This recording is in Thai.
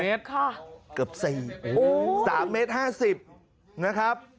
กี่เมตรค่ะเกือบสี่โอ้โหสามเมตรห้าสิบนะครับ